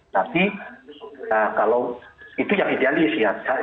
tapi kalau itu yang idealis ya